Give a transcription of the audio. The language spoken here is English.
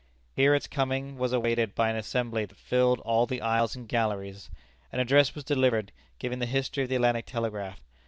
Here its coming was awaited by an assembly that filled all the aisles and galleries. An address was delivered, giving the history of the Atlantic Telegraph.